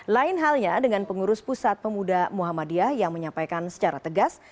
lain halnya dengan pengurus pusat pemuda muhammadiyah yang menyampaikan secara tegas